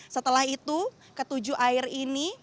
setelah itu ketujuh air ini